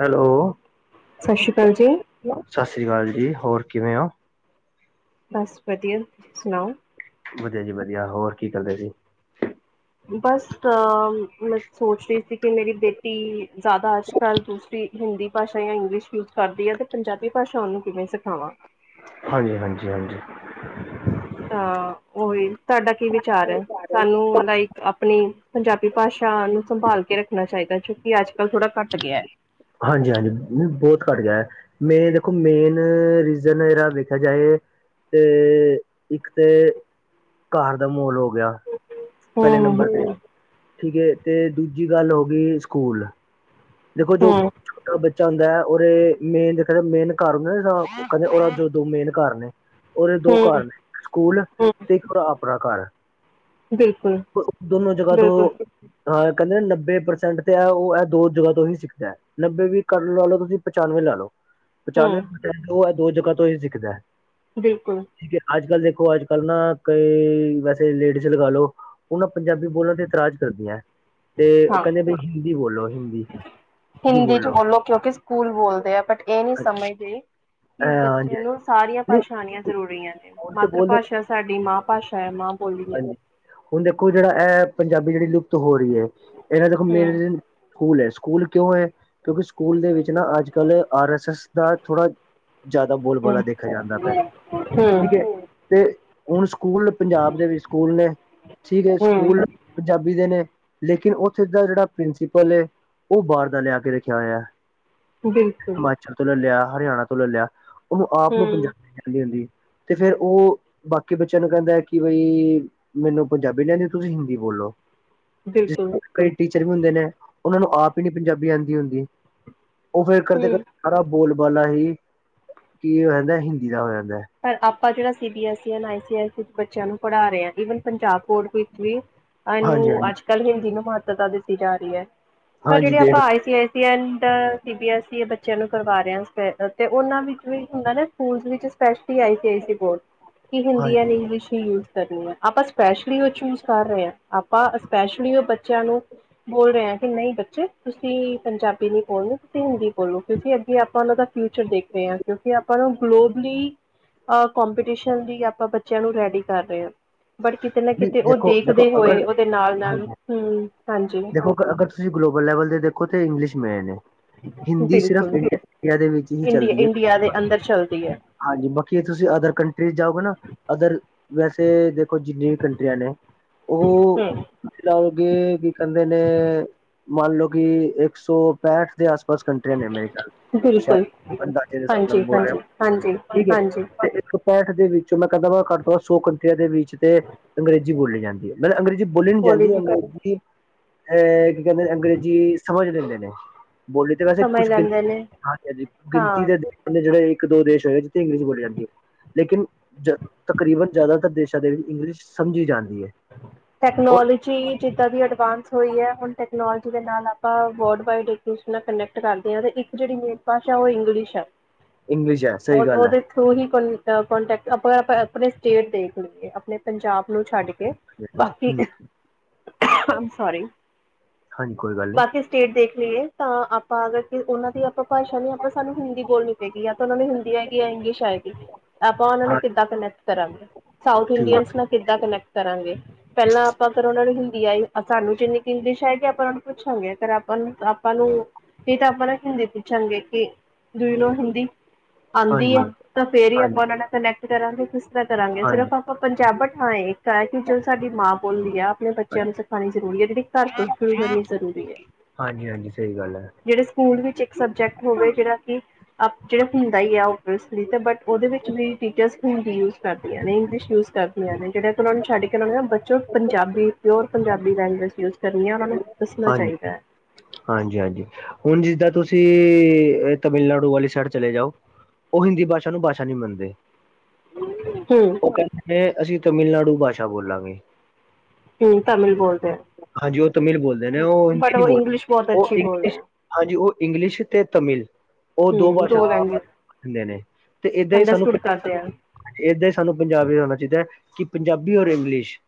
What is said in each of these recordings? Hello ਸਤਿ ਸ਼੍ਰੀ ਅਕਾਲ ਜੀ, ਸਤਿ ਸ਼੍ਰੀ ਅਕਾਲ ਜੀ। ਹੋਰ ਕਿਵੇਂ ਹੋ? ਬਸ ਵਧੀਆ ਤੁਸੀਂ ਸੁਣਾਓ? ਵਧੀਆ ਜੀ ਵਧੀਆ ਹੋਰ ਕੀ ਕਰਦੇ ਸੀ। ਬਸ ਹਾਂ ਮੈਂ ਸੋਚ ਰਹੀ ਸੀ ਕਿ ਮੇਰੀ ਬੇਟੀ ਜ਼ਿਆਦਾ ਅੱਜ ਕੱਲ੍ਹ ਦੂਸਰੀ ਹਿੰਦੀ ਭਾਸ਼ਾ ਜਾਂ ਇੰਗਲਿਸ਼ ਯੂਜ ਕਰਦੀ ਹੈ, ਤੇ ਪੰਜਾਬੀ ਭਾਸ਼ਾ ਔਨੂੰ ਕਿਵੇਂ ਸਿਖਾਵਾਂ। ਹਾਂਜੀ ਹਾਂਜੀ ਹਾਂਜੀ ਤਾਂ ਔਹੀ, ਤੁਹਾਡਾ ਕੀ ਵਿਚਾਰ ਹੈ, ਸਾਨੂੰ ਲਾਈਕ ਆਪਣੀ ਪੰਜਾਬੀ ਭਾਸ਼ਾ ਸਾਨੂੰ ਸੰਭਾਲ ਕੇ ਰੱਖਣਾ ਚਾਹੀਦਾ ਕਿਉਂਕਿ ਅੱਜ ਕੱਲ ਥੋੜਾ ਘਟ ਗਿਆ ਹੈ। ਹਾਂਜੀ ਹਾਂਜੀ ਬਹੁਤ ਘੱਟ ਗਿਆ ਮੇ ਦੇਖੋ ਮੇਨ ਰੀਜ਼ਨ, ਜਿਹਾ ਵੇਖਿਆ ਜਾਏ ਤੇ, ਇੱਕ ਤੇ ਘਰ ਦਾ ਮਹੌਲ ਹੋ ਗਿਆ। ਪਹਿਲੇ ਹੂੰ, ਨੰਬਰ ਤੇ, ਹੂੰ, ਠੀਕ ਹੈ ਤੇ ਦੂਜੀ ਗੱਲ ਹੋ ਗਈ ਸਕੂਲ, ਦੇਖੋ ਜੋ ਹੂੰ, ਛੋਟਾ ਬੱਚਾ ਆਂਦਾ ਹੈ ਉਹਦੇ ਮੇਨ ਦੇਖ ਮੇਨ ਘਰ ਹੈ ਜਿਹੜਾ, ਔਨਾ ਦੇ, ਦੋ ਮੇਨ ਘਰ ਨੇ। ਦੇ ਦੋ ਘਰ ਹੂੰ, ਨੇ, ਸਕੂਲ ਹੂੰ ਤੇ ਇੱਕਰ ਆਪਣਾ ਘਰ ਐ। ਬਿਲਕੁਲ, ਦੋਨੋ ਜਗ੍ਹਾ ਤੋਂ ਬਿਲਕੁਲ, ਹਾਂ ਕਹਿੰਦੇ ਨੱਬੇ ਪ੍ਰਸੈਂਟ ਤੇ ਐ ਔ ਹੈ, ਦੋ ਜਗਾ ਹੀ ਸਿੱਖਦਾ ਨੱਬੇ ਵੀ ਕ ਲਾ ਲੋ, ਤੁਸੀਂ ਪਚਾਨਵੇਂ ਲਾ ਲੋ ਹੂੰ, ਪਚਾਨਵੇਂ ਦੋ ਜਗ੍ਹਾ ਤੋਂ ਹੀ ਸਿੱਖਦਾ ਐ, ਬਿਲਕੁਲ ਠੀਕ ਅੱਜ ਕੱਲ੍ਹ ਦੇ ਦੇਖੋ ਅੱਜ ਕੱਲ੍ਹ ਨਾ ਕਈ ਵੈਸੇ ਲੇਡੀਜ਼ ਲਗਾ ਲੋ, ਉਹ ਨਾ ਪੰਜਾਬੀ ਬੋਲਣ ਤੇ ਇਤਰਾਜ਼ ਕਰਦੀਆਂ ਹੈ। ਤੇ ਉਹ ਹਾਂ। ਕਹਿੰਦੇ ਬ ਹਿੰਦੀ ਬੋਲੋ ਹਿੰਦੀ ਹਿੰਦੀ ਚ ਬੋਲੋ ਕਿਉਂਕਿ ਸਕੂਲ ਬੋਲਦੇ ਆ, ਬਟ ਇਹ ਨਹੀਂ ਹਾਂਜੀ ਸਮਝਦੇ ਕਿ ਹਾਂਜੀ ਬੱਚੇ ਨੂੰ ਸਾਰੀਆਂ ਨਹੀਂ ਭਾਸ਼ਾਂ ਆਊਣੀਆਂ ਜ਼ਰੂਰੀਆਂ ਐ, ਹੁਣ ਤੇ ਮਾਤਰ ਬੋਲਦੇ ਭਾਸ਼ਾ ਸਾਡੀ ਮਾਂ ਭਾਸ਼ਾ ਹੈ ਮਾਂ ਬੋਲਦੀ ਹਾਂਜੀ ਹੈ। ਹੁਣ ਦੇਖੋ ਜਿਹੜਾ ਇਹ ਪੰਜਾਬੀ ਜਿਹੜੀ ਲੁਪਤ ਹੋ ਰਹੀ ਹੈ, ਇਹਨਾਂ ਦੇਖੋ ਹੂੰ, ਮੇਨ ਸਕੂਲ ਹੈ। ਸਕੂਲ ਕਿਉਂ ਹੈ, ਕਿਉਂਕਿ ਸਕੂਲ ਦੇ ਵਿੱਚ ਨਾ ਅੱਜ ਕੱਲ੍ਹ ਆਰ ਐਸ ਐਸ ਦਾ ਥੋੜ੍ਹਾ ਜ਼ਿਆਦਾ ਹੂੰ, ਬੋਲਬਾਲਾ ਦੇਖਿਆ ਜਾਂਦਾ ਪਯਾ ਠੀਕ ਹੈ, ਹੂੰ, ਤੇ ਹੁਣ ਸਕੂਲ ਪੰਜਾਬ ਦੇ ਵੀ ਸਕੂਲ ਨੇ, ਠੀਕ ਹੈ ਹੂੰ, ਸਕੂਲ ਪੰਜਾਬੀ ਦੇ ਨੇ ਲੇਕਿਨ ਉੱਥੇ ਦਾ ਜਿਹੜਾ ਪ੍ਰਿੰਸੀਪਲ ਏ, ਉਹ ਬਾਹਰ ਦਾ ਲਿਆ ਕੇ ਰੱਖਿਆ ਹੋਇਆ ਹੈ। ਬਿਲਕੁਲ ਹਿਮਾਚਲ ਤੋਂ ਲੈ ਲਿਆ ਹਰਿਆਣਾ ਤੋਂ ਲੈ ਲਿਆ ਉਹ ਆਪ ਨੂੰ ਹੂੰ, ਪੰਜਾਬੀ ਚਹਿੰਦੀ ਹੁੰਦੀ। ਤੇ ਫੇਰ ਉਹ ਬਾਕੀ ਬੱਚਿਆਂ ਨੂੰ ਕਹਿੰਦਾ, ਕਿ ਬਈ ਮੈਨੂੰ ਪੰਜਾਬੀ ਨੀ ਆਂਦੀ, ਤੁਸੀਂ ਹਿੰਦੀ ਬੋਲੋ। ਹੈਲੋ। ਬਿਲਕੁਲ ਜਿਸ ਕਈ ਟੀਚਰ ਵੀ ਹੁੰਦੇ ਨੇ ਉਹਨਾਂ ਨੂੰ ਆਪ ਹੀ ਨਹੀਂ ਪੰਜਾਬੀ ਆਉਂਦੀ ਹੁੰਦੀ। ਉਹ ਫੇਰ ਕਦੇ ਕਦੇ ਹੂੰ, ਸਾਰਾ ਬੋਲਬਾਲਾ ਹੀ ਕੀ ਹੋ ਜਾਂਦਾ ਹਿੰਦੀ ਦਾ। ਜਾਂਦਾ ਹੈ। ਪਰ ਆਪਾਂ ਜਿਹੜਾ ਸੀ ਬੀ ਐਸ ਇ ਆਈ ਸੀ ਐਸ ਇ ਬੱਚਿਆਂ ਨੂੰ ਪੜਾ ਰਹੇ ਹੈਗੇ। ਪੰਜਾਬ ਬੋਰਡ ਵਿੱਚ ਵੀ ਇਹਨੂੰ ਹਾਂਜੀ ਹਾਂਜੀ ਅੱਜ ਕੱਲ੍ਹ ਹਿੰਦੀ ਨੂੰ ਮਹੱਤਤਾ ਦਿੱਤੀ ਜਾ ਰਹੀ ਹੈ। ਪਰ ਹਾਂਜੀ ਜਿਹੜੇ ਦੇਖ ਆਪਾਂ I C S C, and C B A C ਐ ਬੱਚਿਆਂ ਨੂੰ ਕਰਵਾ ਰੇ ਆਂ ਫੇਰ, ਤੇ ਉਹਨਾਂ ਵਿੱਚ ਵੀ ਹੁੰਦਾ ਨਾ ਸਕੂਲ ਵਿੱਚ ਆਈ ਸਪੈਸ਼ਲੀ ਸੀ ਆਈ ਸੀ ਬੋਰਡ ਕਿ ਹਿੰਦੀ ਹੈ, ਹਾਂਜੀ ਨੀ ਇੰਗਲਿਸ਼ ਵੀ ਯੂਸ ਕਰਨੀ ਹੈ ਆਪਾਂ ਸਪੈਸ਼ਲੀ ਉਹ ਚੂਜ ਕਰ ਰਹੇ ਆਂ, ਆਪਾਂ ਸਪੈਸ਼ਲੀ ਔ ਬੱਚਿਆਂ ਨੂੰ ਬੋਲ ਰਹੇ ਹਾਂ ਕਿ ਨਹੀਂ ਬੱਚੇ ਤੁਸੀਂ ਪੰਜਾਬੀ ਨਹੀਂ ਬੋਲੋ ਤੁਸੀਂ ਹਿੰਦੀ ਬੋਲੋ ਕਿਉਂਕਿ ਅੱਗੇ ਆਪਾਂ ਉਹਨਾਂ ਦਾ ਫਿਊਚਰ ਦੇਖ ਰਹੇ ਆ ਕਿਉਂ ਆਪਾਂ ਨੂੰ ਗਲੋਬਲੀ ਕਪੀਟੀਸ਼ਨ ਲਈ ਆਪਾਂ ਬੱਚਿਆਂ ਨੂੰ ਰੈਡੀ ਕਰ ਰਹੇ ਹਾਂ। ਬਟ ਕਿਤੇ ਨਾ ਨਹੀਂ ਕਿਤੇ ਉਹ ਦੇਖੋ ਦੇਖੋ ਦੇਖਦੇ ਅਗਰ ਹੋਏ ਉਹਦੇ ਨਾਲ ਨਾਲ ਹਾਂਜੀ ਹਮ ਹਾਂਜੀ। ਦੇਖੋ ਅ ਅਗਰ ਤੁਸੀਂ ਗਲੋਬਲ ਲੈਵਲ ਦੇ ਦੇਖੋ, ਤੇ ਇੰਗਲਿਸ਼ ਮੇਨ ਐ। ਹਿੰਦੀ ਸਿਰਫ ਬਿਲਕੁਲ ਇੰਡੀ ਇੰਡੀਆ ਦੇ ਵਿੱਚ ਨੀ ਇੰਡੀਆ ਚੱਲਦੀ ਹੈ। ਇੰਡੀਆ ਦੇ ਅੰਦਰ ਚੱਲਦੀ ਹੈ ਹਾਂਜੀ ਬਾਕੀ ਤੁਸੀਂ ਅਦਰ ਕੰਟਰੀਜ਼ ਜਾਔਗੇ ਨਾ ਅਦਰ ਵੈਸੇ ਦੇਖੋ ਜਿੰਨੀਆਂ ਵੀ ਕੰਟਰੀਆਂ ਨੇ, ਔ ਹਮ ਤੁਸੀਂ ਲਓਗੇ ਕਹਿੰਦੇ ਨੇ ਮੰਨ ਲੋ ਕਿ ਇੱਕ ਸੌ ਪੈਂਹਠ ਦੇ ਆਸ ਪਾਸ ਕੰਟਰੀਆਂ ਨੇ ਮੇਰੇ ਖਿਆਲ ਬਿਲਕੁਲ ਸ਼ਾਇਦ ਅੰਦਾਜ਼ੇ ਦੇ ਹਿਸਾਬ ਨਾਲ ਹਾਂਜੀ ਬੋਲ ਰਿਹੇ, ਹਾਂਜੀ ਹਾਂਜੀ ਠੀਕ ਹੈ ਹਾਂਜੀ ਤੇ ਦੇ ਵਿੱਚੋਂ ਮੈਂ ਕਹਿੰਦਾ ਵਾ ਘੱਟ ਤੋਂੱ ਸੌ ਕੰਟਰੀਆਂ ਦੇ ਵਿੱਚ ਤੇ ਅੰਗਰੇਜ਼ੀ ਬੋਲੀ ਜਾਂਦੀ ਹੈ ਮ ਅੰਗਰੇਜ਼ੀ ਬੋਲੀ ਨ ਜਾਂਦੀ ਅੰਗਰੇਜ਼ੀ। ਇਹ ਕੀ ਕਹਿੰਦੇ ਅੰਗਰੇਜ਼ੀ ਸਮਝ ਲੈਂਦੇ ਨੇ। ਬੋਲੀ ਤੇ ਵੈਸੇ ਸਮਝ ਕੁਛ ਗਿਣਤੀ ਲੈਂਦੇ ਨੇ ਹਾਂਜੀ ਹਾਂਜੀ ਗਿਣਤੀ ਹਾਂ ਦੇ ਨੇ ਜਿਹੜੇ। ਇੱਕ ਦੋ ਦੇਸ਼ ਹੋਏ ਜਿੱਥੇ ਇੰਗਲਿਸ਼ ਬੋਲੀ ਜਾਂਦੀ ਹੈ ਲੇਕਿਨ ਜ ਤਕਰੀਬਨ ਜ਼ਿਆਦਾਤਰ ਦੇਸ਼ਾਂ ਦੇ ਵਿੱਚ। ਇੰਗਲਿਸ਼ ਸਮਝੀ ਜਾਂਦੀ। ਹੈ ਔਰ ਟੈਕਨੋਲੋਜੀ ਜਿੱਦਾਂ ਦੀ ਅਡਵਾਂਸ। ਹੋਈ ਹੈ ਹੁਣ ਟੈਕਨੋਲੋਜੀ ਦੇ ਨਾਲ ਆਪਾਂ ਵਰਲਡ ਵਾਈਡ ਇੱਕ ਨਾਲ ਕਨੈਕਟ ਕਰਦੇ ਹਾਂ ਤੇ ਇੱਕ ਜਿਹੜੀ ਮੇਨ ਭਾਸ਼ਾ। ਉਹ ਇੰਗਲਿਸ਼ ਹੈ ਇੰਗਲਿਸ਼ ਹੈ ਉਹ ਸਹੀ ਗੱਲ ਹੈ ਉਹਦੇ ਥਰੂ ਹੀ ਕੋ। ਕੋਂਟੈਕਟ ਆਪਾਂ ਆਪਣੇ ਸਟੇਟ ਦੇਖ ਲਈਏ ਆਪਣੇ ਪੰਜਾਬ ਨੂੰ ਛੱਡ ਕੇ। ਬਾਕੀ ਹਮ। ਸੋਰੀ ਹਾਂਜੀ ਕੋਈ ਗੱਲ ਨਹੀਂ, ਬਾਕੀ ਸਟੇਟ ਦੇਖ ਤਾਂ ਆਪਾਂ ਅਗਰ ਉਹਨਾਂ ਦੀ ਆਪਾਂ ਭਾਸ਼ਾ ਨੀ ਆਪਾਂ ਸਾਨੂੰ ਹਿੰਦੀ ਬੋਲਣੀ ਪਏਗੀ। ਉਹਨਾਂ ਨੂੰ ਹਿੰਦੀ ਹੈਗੀ ਹੈ ਇੰਗਲਿਸ਼ ਹੈਗੀ। ਆਪਾਂ ਉਹਨਾਂ ਨੇ ਹਾਂ ਕਿੱਦਾਂ ਕਨੈਕਟ ਕਰਾਂਗੇ ਸਾਊਥ ਠੀਕ ਹੈ, ਇੰਡੀਅਨ ਨਾਲ ਕਿੱਦਾਂ ਕਨੈਕਟ ਕਰਾਂਗੇ। ਪਹਿਲਾਂ ਆਪਾਂ ਕਰੋ ਉਹਨਾਂ ਨੂੰ ਹਿੰਦੀ ਆਈ ਸਾਨੂੰ ਜਿੰਨੀ ਕਿ ਇੰਗਲਿਸ਼ ਹੈ ਕਿ ਆਪਾਂ ਉਹ ਨੂੰ ਪੁੱਛਾਂਗੇ ਅਗਰ ਆਪਾਂ ਨੂੰ ਆਪਾਂ ਨੂੰ ਨਹੀਂ ਤਾਂ ਆਪਾਂ ਨੂੰ ਹਿੰਦੀ ਪੁੱਛਾਂਗੇ ਕਿ। ਕਿ ਤੁਸੀਂ ਹਿੰਦੀ ਜਾਣਦੇ ਹੋ? ਹਾਂਜੀ, ਆਉਂਦੀ ਹੈ ਤਾਂ ਫੇਰ ਹੀ ਹਾਂਜੀ, ਆਪਾਂ ਉਹਨਾਂ ਨਾਲ ਕਨੈਕਟ ਕਰਾਂਗੇ ਕਿਸ ਤਰ੍ਹਾਂ ਕਰਾਂਗੇ ਹਾਂਜੀ, ਸਿਰਫ ਆਪਾਂ ਪੰਜਾਬ ਹਾਂ ਇਹ ਕ ਚ [inaudible] ਸਾਡੀ ਮਾਂ ਬੋਲੀ ਹੈ ਆਪਣੇ ਬੱਚਿਆਂ ਨੂੰ ਸਿਖਾਣੀ ਜ਼ਰੂਰੀ ਹੈ ਜਿਹੜੀ ਘਰ ਤੋਂ ਸ਼ੁਰੂ ਕਰਨੀ ਜ਼ਰੂਰੀ ਹੈ। ਹਾਂਜੀ ਹਾਂਜੀ ਸਹੀ ਗੱਲ ਹੈ, ਜਿਹੜੇ ਸਕੂਲ ਵਿੱਚ ਇੱਕ ਸਬਜੈਕਟ ਹੋਵੇ ਜਿਹੜਾ ਕਿ ਜਿਹੜਾ ਹੁੰਦਾ ਹੀ ਆ ਬਟ ਉਹਦੇ ਵਿੱਚ ਵੀ ਟੀਚ ਹਿੰਦੀ ਵਰਤਦੀਆਂ ਨੇ ਇੰਗਲਿਸ਼ ਵਰਤਦੀਆਂ। ਨੇ ਜਿਹੜੇ ਉਹਨਾਂ ਨੂੰ ਛੱਡ ਕੇ ਉਹ ਨੇ ਨਾ ਬੱਚਿਓ ਪੰਜਾਬ ਸ਼ੁੱਧ ਪੰਜਾਬੀ ਭਾਸ਼ਾ ਵਰਤਣੀ ਹੈ ਉਹਨਾਂ ਨੇ ਦੱਸਣਾ ਹਾਂਜੀ, ਚਾਹੀਦਾ ਹੈ। ਹਾਂਜੀ ਹਾਂਜੀ ਹੁਣ ਜਿੱਦਾਂ ਤੁਸੀਂ ਤਾਮਿਲਨਾਡੂ ਵਾਲੀ ਸਾਈਡ ਚਲੇ ਜਾਓ। ਉਹ ਹਿੰਦੀ ਭਾਸ਼ਾ ਨੂੰ ਭਾਸ਼ਾ ਨਹੀਂ ਮੰਨਦੇ। ਹਮ ਉਹ ਕਹਿੰਦੇ ਨੇ ਅਸੀਂ ਤਾਮਿਲਨਾਡੂ ਭਾਸ਼ਾ ਬੋਲਾਂਗੇ। ਹਮ ਤਮਿਲ ਬੋਲਦੇ ਆ। ਹਾਂਜੀ ਉਹ ਤਮਿਲ ਬੋਲਦੇ ਨੇ ਉਹ ਹਿੰਦੀ ਨਹੀਂ ਬੋਲਦੇ ਬਹੁਤ ਉਹ ਅੱਛੀ ਬੋਲਦੇ ਇੰਗਲਿਸ਼ ਹੈ ਹਾਂਜੀ ਉਹ ਇੰਗਲਿਸ਼ ਤੇ ਤਮਿਲ। ਉਹ ਦੋ ਹਮ ਭਾਸ਼ਾ ਲੈਂਗੁਏਜ ਦਿੰਦੇ ਨੇ ਤੇ ਏਦਾਂ ਹੀ ਸਾਨੂੰ ਅੰਡਰਸਟੂਡ ਕਰਦੇ ਆ ਏਦਾਂ ਹੀ ਸਾਨੂੰ ਪੰਜਾਬੀ ਹੋਣਾ ਚਾਹੀਦਾ ਹੈ ਕਿ ਪੰਜਾਬੀ ਔਰ ਇੰਗਲਿਸ਼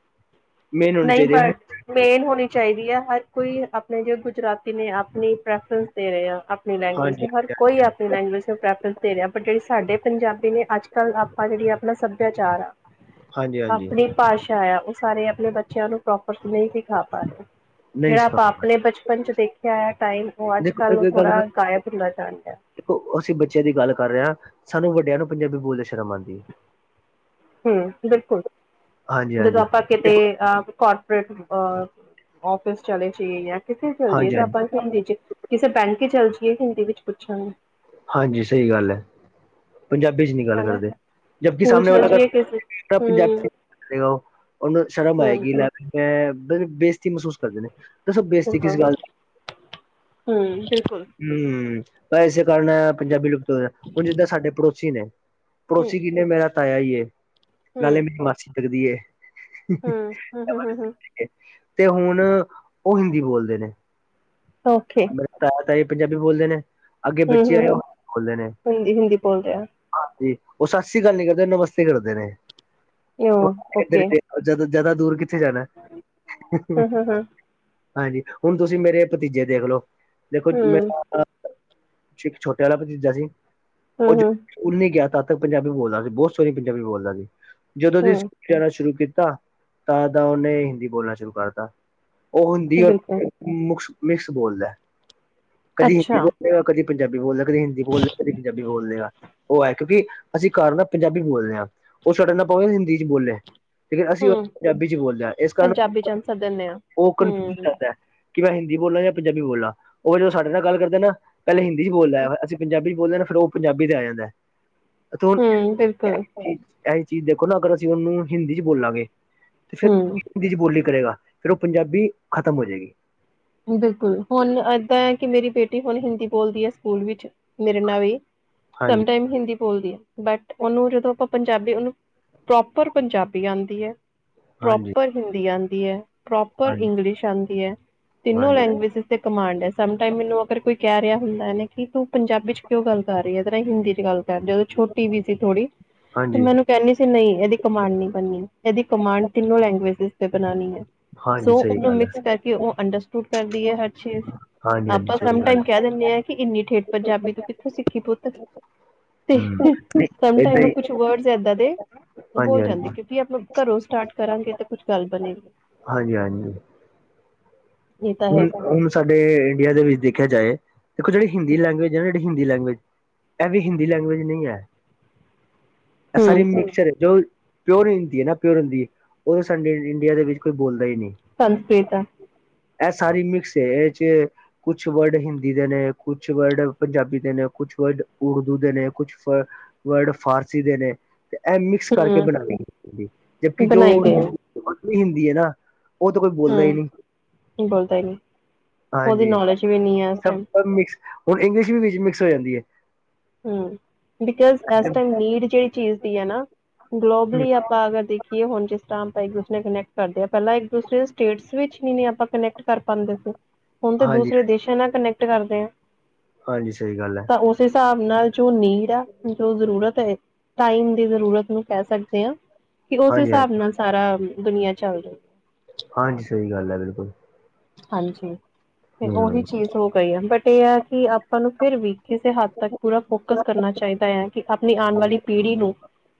ਮੇਨ ਹੋਣੀ ਨਹੀਂ ਚਾਹੀਦੀ ਹੈ। ਬਟ ਮੇਨ ਹੋਣੀ ਚਾਹੀਦੀ ਹੈ ਹਰ ਕੋਈ ਆਪਣੇ ਜ ਗੁਜਰਾਤੀ ਨੇ ਆਪਣੀ ਪ੍ਰੈਫਰੈਂਸ ਦੇ ਰਹੇ ਆ ਆਪਣੀ ਲੈਂਗੁਏਜ ਹਾਂਜੀ, ਨੂੰ ਹਰ ਕੋਈ ਆਪਣੀ ਲੈਂਗੁਏਜ ਨੂੰ ਪ੍ਰੈਫਰੈਂਸ ਦੇ ਰਿਹਾ ਪਰ ਜਿਹੜੀ ਸਾਡੇ ਪੰਜਾਬੀ ਨੇ ਅੱਜ ਕੱਲ ਆਪਾਂ ਜਿਹੜੀ ਆਪਣਾ ਸੱਭਿਆਚਾਰ ਆ ਹਾਂਜੀ, ਹਾਂਜੀ। ਆਪਣੀ ਭਾਸ਼ਾ ਆ ਉਹ ਸਾਰੇ ਆਪਣੇ ਬੱਚਿਆਂ ਨੂੰ ਪ੍ਰਪ ਨਹੀਂ ਸਿਖਾ ਪਾ ਰਹੇ ਨਹੀਂ ਜਿਹੜਾ ਸਿਖਾ ਆਪਾਂ ਪਾਏ ਆਪਣੇ ਬਚਪਨ ਚ ਦੇਖਿਆ ਹੈ। ਦੇਖੋ ਗੱਲ ਹੁੰਦਾ ਜਾਣ ਡਿਆ ਦੇਖੋ ਅਸੀਂ ਬੱਚਿਆਂ ਦੀ ਗੱਲ ਕਰ ਰਹੇ ਹਾਂ। ਸਾਨੂੰ ਵੱਡਿਆਂ ਨੂੰ ਪੰਜਾਬੀ ਬੋਲਦੇ ਸ਼ਰਮ ਆਉਂਦੀ ਹੈ। ਹਮ ਬਿਲਕੁਲ ਹਾਂਜੀ ਜਦੋਂ ਹਾਂਜੀ ਆਪਾਂ ਕਿਤੇ ਕਾਰਪੋਰੇਟ ਅ ਆਫਿਸ ਚਲੇ ਜਾਈਏ ਜਾਂ ਕਿਸੇ ਚੱਲ ਜਾਈਏ ਹਾਂਜੀ ਤੇ ਹਾਂਜੀ ਆਪਾਂ ਹਿੰਦੀ ਚ ਕਿਸੇ ਬੈਂਕ ਚ ਚੱਲ ਜਾਈਏ। ਇਹ ਵਿੱਚ ਪੁੱਛਾਂਗੇ ਹਾਂਜੀ ਸਹੀ ਗੱਲ ਹੈ ਪੰਜਾਬੀ ਚ ਨੀ ਗੱਲ ਹਨਾ ਕਰਦੇ ਜਬਕਿ ਸਕੂਲ ਸਾਹਮਣੇ ਚੱਲ ਜਾਈਏ ਕਿਸੇ ਵਾਲਾ ਹੂੰ ਪੰਜਾਬੀ ਕਰ ਰਹੇ ਉਹ। ਉਹਨੂੰ ਸ਼ਰਮ ਹੂੰ ਆਏਗੀ ਮੈਂ ਬੇਇਜਤੀ ਮਹਿਸੂਸ ਕਰਦੇ ਨੇ ਦੱਸੋ ਬੇਇਜਤੀ ਕਿਸ ਗੱਲ ਦੀ? ਹਮ ਹਮ ਤਾਂ ਇਸੇ ਕਾਰਨ ਪੰਜਾਬੀ ਲੁਪਤ ਹੋ ਹੁਣ ਜਿੱਦਾਂ ਸਾਡੇ [unintelligible] ਨੇ। ਹੂੰ ਪੜੋਸੀ ਕਿੰਨੇ ਮੇਰਾ ਤਾਇਆ ਹੂੰ ਨਾਲੇ ਮੇਰੀ ਮਾਸੀ ਲਗਦੀ ਏ। ਹੂੰ ਹੂੰ ਹੂੰ ਹੂੰ ਹੂੰ ਤੇ ਹੁਣ ਉਹ ਹਿੰਦੀ ਬੋਲਦੇ ਨੇ। ਓਕੇ ਮੇਰੇ ਤਾਇਆ ਤਾਈ ਪੰਜਾਬੀ ਬੋਲਦੇ ਨੇ। ਅੱਗੇ ਹੂੰ ਬੱਚੇ ਹੂੰ ਆਏ ਖੋਲਦੇ ਨੇ ਹਿੰਦੀ ਹਿੰਦੀ ਬੋਲ ਰਿਹਾ ਹਾਂ ਜੀ। ਉਹ ਸਤਿ ਸ੍ਰੀ ਅਕਾਲ ਨੀ ਕਰਦੇ ਨਮਸਤੇ ਕਰਦੇ ਰਹੇ ਆ ਓਕੇ ਜ਼ਿਆਦਾ ਦੂਰ ਕਿੱਥੇ ਜਾਣਾ ਹੂੰ ਹੂੰ ਹੂੰ ਹਾਂਜੀ ਹੁਣ ਤੁਸੀਂ ਮੇਰੇ ਭਤੀਜੇ ਦੇਖਲੋ ਦੇਖੋ ਮ ਹੂੰ ਛੋਟੇ ਵਾਲਾ ਭਤੀਜਾ ਜੀ ਉਹ ਹੂੰ ਹੂੰ ਉੱਨੀ ਗਿਆ ਤ ਤੱਕ ਪੰਜਾਬੀ ਬੋਲਦਾ ਸੀ ਬਹੁਤ ਸੋਹਰੀ ਪੰਜਾਬੀ ਬੋਲਦਾ ਸੀ ਜਦੋਂ ਦੀ ਹੂੰ ਸਕ ਆਣਾ ਸ਼ੁਰੂ ਕੀਤਾ ਤਾਂ ਤਾਂ ਉਹਨੇ ਹਿੰਦੀ ਬੋਲਣਾ ਸ਼ੁਰੂ ਕਰਤਾ ਉਹ ਹਿੰਦੀ ਬਿਲਕੁਲ ਔਰਕ ਮਿਕਸ ਬੋਲਦਾ ਹੈ ਕਦੀ ਹਿੰਦੀ ਅੱਛਾ ਬੋਲ ਕਦੀ ਪੰਜਾਬੀ ਬੋਲਦੇ ਕਦੇ ਹਿੰਦੀ ਬੋਲ ਲ ਕਦੇ ਪੰਜਾਬੀ ਬੋਲ ਲਗਾ ਉਹ ਹੈ ਕਿਉਂਕਿ ਅਸੀਂ ਘਰ ਨਾਲ ਪੰਜਾਬੀ ਬੋਲਦੇ ਹਾਂ ਉਹ ਛੱਡਣਾ ਪਵੇ ਹਿੰਦੀ ਚ ਬੋਲੇ ਲੇਕਨ ਅਸੀਂ ਉਹ ਹੂੰ ਪੰਜਾਬੀ ਚ ਬੋਲਦੇ ਹਾਂ ਇਸ ਕਾਰਨ ਪੰਜਾਬੀ ਚ ਆਂਸਰ ਦਿੰਨੇ ਆ ਉਹ ਕਫਿਊ ਹੂੰ ਕਰਦਾ ਕਿ ਮੈਂ ਹਿੰਦੀ ਬੋਲਾਂ ਜਾਂ ਪੰਜਾਬੀ ਬੋਲਾਂ ਉਹ ਜਦੋਂ ਸਾਡੇ ਨਾਲ ਗੱਲ ਕਰਦਾ ਨਾ ਪਹਿਲੇ ਹਿੰਦੀ ਚ ਬੋਲਦਾ ਆ ਅਸੀਂ ਪੰਜਾਬੀ ਬੋਲਦੇ ਫਿਰ ਉਹ ਪੰਜਾਬੀ ਤੇ ਆ ਜਾਂਦਾ ਹਮ ਬਿਲਕੁਲ ਇਹਹੀ ਚੀਜ਼ ਦੇਖੋ ਨਾ ਅਗਰ ਅਸੀਂ ਉਹਨੂੰ ਹਿੰਦੀ ਚ ਬੋਲਾਂਗੇ ਤੇ ਫਿਰ ਹੂੰ ਹਿੰਦੀ ਚ ਬੋਲੀ ਕਰੇਗਾ ਫਿਰ ਉਹ ਪੰਜਾਬੀ ਖਤਮ ਹੋ ਜਾਏਗੀ ਬਿਲਕੁਲ ਹੁਣ ਏਦਾਂ ਹੈ ਕਿ ਮੇਰੀ ਬੇਟੀ ਹੁਣ ਹਿੰਦੀ ਬੋਲਦੀ ਹੈ ਸਕੂਲ ਵਿੱਚ ਮੇਰੇ ਨਾਲ ਹੀ ਹਾਂਜੀ ਸਮਟਾਈਮ ਹਿੰਦੀ ਬੋਲਦੀ ਹੈ ਬਟ ਉਹਨੂੰ ਜਦੋਂ ਆਪਾਂ ਪੰਜਾਬੀ ਉਹਨੂੰ ਪ੍ਰੋਪਰ ਪੰਜਾਬੀ ਆਉਂਦੀ ਹੈ ਹਾਂਜੀ ਪ੍ਰੋਪਰ ਹਿੰਦੀ ਆਉਂਦੀ ਹੈ ਪ੍ਰੋਪਰ ਹਾਂਜੀ ਇੰਗਲਿਸ਼ ਆਉਂਦੀ ਹੈ ਤਿੰਨੋ ਹਾਂਜੀ ਲੈਂਗੁਏਜ ਤੇ ਕਮਾਂਡ ਹੈ ਸਮਾਈਮ ਮੈਨੂੰ ਅਗਰ ਕੋਈ ਕ ਰਿਹਾ ਹੁੰਦਾ ਨੇ ਕਿ ਤੂੰ ਪੰਜਾਬੀ ਚ ਕਿਉਂ ਗੱਲ ਕਰ ਰਹੀ ਹੈ ਹਿੰਦੀ ਚ ਗੱਲ ਜਦੋਂ ਛੋਟੀ ਵੀ ਸੀ ਥੋੜੀ ਤੇ ਹਾਂਜੀ ਹਾਂਜੀ ਮੈਨੂੰ ਕਹਿੰਦੀ ਸੀ ਨਹੀਂ ਇਹਦੀ ਕਮਾਂਡ ਨਹੀਂ ਬਣਨੀ ਇਹਦੀ ਕਮਾਂਡ ਤਿੰਨੋ ਲੈਂਗੁਏਜ ਤੇ ਬਣਾਉਣੀ ਹੈ ਹਾਂਜੀ ਸੋ ਸਹੀ ਉਹਨੂੰ ਗੱਲ ਮਿਕਸ ਕਰਕੇ ਹੈ ਉਹ ਅੰਡਰਸਟੁਡ ਕਰਦੀ ਹੈ ਹਰ ਚੀਜ਼ ਹਾਂਜੀ ਹਾਂਜੀ ਆਪਾਂ ਸਹੀ ਸਮ ਗੱਲ ਟਾਈਮ ਕਹਿ ਦਿੰਦੇ ਹਾਂ ਕਿ ਹੈ ਇੰਨੀ ਠੇਠ ਪੰਜਾਬੀ ਤੋਂ ਕਿੱਥੋਂ ਸਿੱਖੀ ਪੁਤ ਤੇ ਹਮ ਨਹੀਂ ਸਮ ਏਦਾਂ ਟਈਮ ਹੀ ਕੁਛ ਵਰਡ ਇਦਾਂ ਦੇ ਹਾਂਜੀ ਬੋਲ ਹਾਂਜੀ ਜਾਂਦੇ ਕਿਉਂਕਿ ਆਪਾਂ ਘਰੋਂ ਸਟਾਰਟ ਕਰਾਂਗੇ ਤੇ ਕੁਛ ਗੱਲ ਬਣੇਗੀ ਹਾਂਜੀ ਹਾਂਜੀ ਇਹ ਤਾਂ ਹੈ ਹੁ ਹੁਣ ਸਾਡੇ ਇੰਡੀਆ ਦੇ ਵਿੱਚ ਦੇਖਿਆ ਜਾਏ ਦੇਖੋ ਜਿਹੜੀ ਹਿੰਦੀ ਲੈਂਗੁਏਜ ਆ ਹਿੰਦੀ ਲੈਂਗੁਏਜ ਇਹ ਵੀ ਹਿੰਦੀ ਲੈਂਗੁਏਜ ਨਹੀਂ ਹੈ ਸਾਰੀ ਹੂੰ ਮਿਕਸਚਰ ਹੈ ਜੋ ਪਿਓਰ ਹਿੰਦੀ ਹੈ ਨਾ ਪਿਓਰ ਹੁੰਦੀ ਹੈ ਉਹ ਸਾਡੇ ਇੰਡੀਆ ਦੇ ਵਿੱਚ ਕੋਈ ਬੋਲਦਾ ਹੀ ਨਹੀਂ ਸੰਸਕ੍ਰਿਤ ਹੈ। ਇਹ ਸਾਰੀ ਮਿਕਸ ਇਹ ਚ ਕੁਛ ਵਰਡ ਹਿੰਦੀ ਦੇ ਨੇ, ਕੁਛ ਵਰਡ ਪੰਜਾਬੀ ਦੇ ਨੇ। ਕੁਛ ਵਰਡ ਉਰਦੂ ਦੇ ਨੇ, ਕੁਛ ਵਰਡ ਫਾਰਸੀ ਫਾਹਸੀ ਦੇ ਨੇ ਤੇ, ਇਹ ਮਿਕਸ ਕਰਕੇ ਹੂੰ ਬਣਾ ਜਦਕਿ ਜੋ ਬਣਾਈ ਗਏ ਹਿੰਦੀ ਹੈ ਨਾ ਉਹ ਤਾਂ ਕੋਈ ਬੋਲਦਾ ਹੀ ਨਹੀ ਹੂੰ ਬੋਲਦਾ ਹੀ ਨਹੀਂ ਉਹਦੀ ਹਾਂਜੀ ਨੌਲੇਜ ਵੀ ਨਹੀਂ ਹੈ ਇਸ ਟਾਈਮ ਮਿਕਸ ਹੁਣ ਇੰਗਲਿਸ਼ ਵੀ ਵਿੱਚ ਮਿਕਸ ਹੋ ਜਾਂਦੀ ਹੈ ਹਮ ਬਿਕੋਜ਼ ਇਸ ਟਾਈਮ ਨੀਡ ਜਿਹੜੀ ਚੀਜ਼ ਦੀ ਹੈ ਨਾ ਗਲੋਬਲੀ ਆਪਾਂ ਅਗਰ ਦੇਖੀਏ ਹੁਣ ਜਿਸ ਆਪਾਂ ਦੂਸਰੇ ਕਨੈਕਟ ਕਰਦੇ ਹ ਪਹਿਲ ਇੱਕ ਦੂਸਰੇ ਸਟੇਟ ਵਿਚ ਵੀ ਨੀ ਆਪਾਂ ਕਨੈਕਟ ਕਰ ਪਾਉਦੇ ਸੀ ਹੁਣ ਤਾਂ ਹਾਂਜੀ ਦੂਸਰੇ ਦੇਸ਼ਾਂ ਨਾਲ ਕਨੈਕਟ ਕਰਦੇ ਆ ਹਾਂਜੀ ਸਹੀ ਗੱਲ ਹੈ ਤਾਂ ਉਸ ਹਿਸਾਬ ਨਾਲ ਜੋ ਨੀਡ ਆ ਜੋ ਜ਼ਰੂਰਤ ਹੈ ਟਾਈਮ ਦੀ ਜ਼ਰੂਰਤ ਨੂੰ ਕਹਿ ਸਕਦੇ ਹਾਂ ਕਿ ਉਸ ਹਾਂਜੀ ਹਾਂਜੀ ਹਿਸਾਬ ਨਾਲ ਸਾਰਾ ਦੁਨੀਆਂ ਚੱਲ ਰਹੀ ਹੈ ਹਾਂਜੀ ਸਹੀ ਗੱਲ ਹੈ ਬਿਲਕੁਲ ਹਾਂਜੀ ਤੇ ਉਹੀ ਹਮ ਚੀਜ਼ ਹੋ ਗਈ ਆ ਬਟ ਇਹ ਹੈ ਕਿ ਆਪਾਂ ਨੂੰ ਫਿਰ ਵੀ ਕਿਸੇ ਹੱਦ ਤੱਕ ਪੂਰਾ ਫੋਕਸ ਕਰਨਾ ਚਾਹੀਦਾ ਹੈ ਕਿ ਆਪਣੀ ਆਉਣ ਵਾਲੀ ਪੀੜੀ ਨੂੰ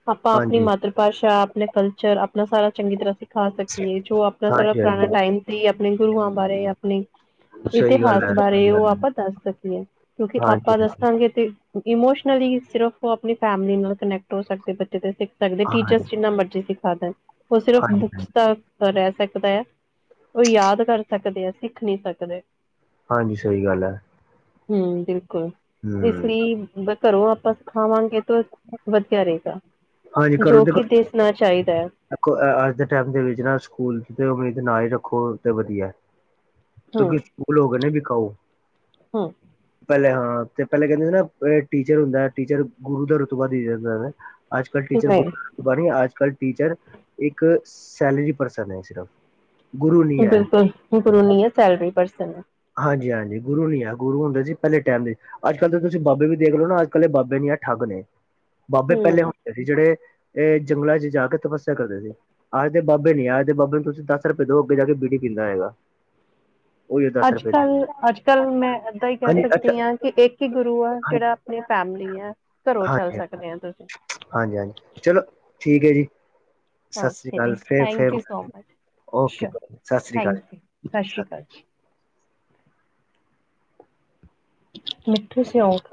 ਆਪਾਂ ਆਪਣੀ ਹਾਂਜੀ ਮਾਤਰ ਭਾਸ਼ਾ ਆਪਣਾ ਕਲਚਰ ਆਪਣਾ ਸਾਰਾ ਚੰਗੀ ਤਰ੍ਹਾਂ ਸਿਖਾ ਸਕੀਏ ਜੋ ਆਪਣਾ ਸਾਰਾ ਹਾਂਜੀ ਪੁਰਾਣਾ ਟਾਈਮ ਹਾਂਜੀ ਸੀ ਆਪਣੇ ਗੁਰੂਆਂ ਬਾਰੇ ਆਪਣੀ ਸਹੀ ਇਤਿਹਾਸ ਗੱਲ ਹੈ ਬਾਰੇ ਸਹੀ ਉਹ ਗੱਲ ਹੈ ਆਪਾਂ ਦੱਸ ਸਕੀਏ ਕਿਉਂਕਿ ਹਾਂਜੀ ਆਪਾਂ ਹਾਂਜੀ ਦੱਸਾਂਗੇ ਤੇ ਇਮੋਸ਼ਨਲੀ, ਸਿਰਫ ਉਹ ਆਪਣੀ ਫੈਮਿਲੀ ਨਾਲ ਕਨੈਕਟ ਹੋ ਸਕਦੇ ਸਿੱਖ ਸਕਦੇ, ਹਾਂਜੀ ਟੀਚਰਸ ਜਿੰਨਾ ਮਰਜ਼ੀ ਸਿਖਾ ਦੇ ਉਹ ਸਿਰਫ ਹਾਂਜੀ ਬੁੱਕਸ ਹਾਂਜੀ ਦਾ ਰਹਿ ਸਕ ਉਹ ਯਾਦ ਕਰ ਸਕਦੇ ਆ, ਸਿੱਖ ਨੀ ਸਕਦੇ। ਹਾਂਜੀ, ਸਹੀ ਗੱਲ ਹੈ। ਹਮ ਬਿਲਕੁਲ, ਇਸ ਹੂੰ, ਲਈ ਘਰੋਂ ਆਪਾਂ ਸਿਖਾਵਾਂਗੇ ਤਾਂ ਵਧੀਆ ਰਹੇਗਾ, ਹਾਂਜੀ ਕਰੋ ਜੋ ਦੇਖੋ ਕਿ ਦਿੱਸਣਾ ਚਾਹੀਦਾ। ਹੈ ਅੱਜ ਦੇ ਟਾਈਮ ਦੇ ਵਿੱਚ ਨਾ, ਸਕੂਲ ਤੋਂ ਉਮੀਦ ਨਾ ਹੀ ਰੱਖੋ ਤੇ ਵਧੀਆ। ਕਿਉਂਕਿ, ਸਕੂਲ ਹੋ ਗਂਏ ਨੇ ਵਿਕਾਊ। ਹਮ ਪਹਿਲੇ ਹਾਂ, ਤੇ ਪਹਿਲਾਂ ਕਹਿੰਦੇ ਨਾ ਟੀਚਰ ਹੁੰਦਾ ਟੀਚਰ ਗੁਰੂ ਦਾ ਰੁਤਬਾ ਦਿਯਾ ਜਾਂਦਾ ਅੱਜ ਕੱਲ ਟੀਚਰ ਨਹੀਂ ਗੁਰ ਬਾਰੇੀ [inaudible] ਆ ਟੀਚਰ ਇੱਕ ਸੈਲਰੀ ਪਰਸਨ ਹੈ ਸਿਰਫ ਗੁਰੂ ਨੀ ਐ। ਬਿਲਕੁਲ ਗੁਰੂ ਨੀ ਹੈ, ਸੈਲਰੀ ਪਰਸਨ ਹੈ। ਹਾਂਜੀ -ਹਾਂਜੀ, ਗੁਰੂ ਨੀ ਹੈ ਗੁਰੂ ਹੁੰਦੇ ਸੀ ਪਹਿਲੇ ਟਾਈਮ ਦੇ ਅੱਜ ਕੱਲ ਤਾਂ, ਤੁਸੀਂ ਬਾਬੇ ਵੀ ਦੇਖ ਲੋ ਨਾ ਅੱਜ ਕੱਲ ਦੇ ਬਾਬੇ ਨੀ ਆਠ ਨੇ ਬਾਬੇ ਪਹਿਲੇ ਹੂੰ। ਹੁੰਦੇ ਸੀ ਜਿਹੜੇ ਇਹ ਜੰਗਲਾਂ ਚ ਜਾ ਕੇ ਤਪੱਸਿਆ ਕਰਦੇ ਸੀ, ਅੱਜ ਦੇ ਬਾਬੇ ਨੀ ਅੱਜ ਦੇ ਬਾਬੇ ਨੂੰ ਤੁਸੀਂ ਦਸ ਰੁਪਏ ਦੋ ਅੱਗੇ ਜਾ ਕੇ ਬੀੜੀ ਪੀੰਦਾ ਹੈਗਾ, ਉਹ ਜਦੋਂ ਅੱਜ -ਕੱਲ, ਅੱਜ ਕੱਲ੍ਹ ਮੈਂ ਇੱਦਾਂ ਹੀ ਕਹਿ ਹਾਂਜੀ ਅੱਛਾ ਸਕਦੀ ਹਾਂ ਕਿ ਇੱਕ ਹੀ ਗੁਰੂ ਆ ਹਾਂਜੀ ਜਿਹੜਾ ਆਪਣੀ ਫੈਮਿਲੀ ਘਰੋਂ ਚੱਲ ਹਾਂਜੀ ਸਕਦੇ ਆ, ਤੁਸੀਂ ਹਾਂਜੀ, ਚਲੋ ਠੀਕ ਹੈ ਜੀ ਸਤਿ ਸ਼੍ਰੀ ਓਕੇ ਅਕਾਲ, ਜੀ ਫਿਰ ਫੇਰ thank you so much. Okay. Sure ਸਤਿ ਸ਼੍ਰੀ ਥੈਂਕ ਅਕਾਲ ਯੂ ਜੀ। ਸਤਿ ਸ਼੍ਰੀ ਅਕਾਲ ਜੀ ਮਿੱਠੇ, ਸਿਉਂਠ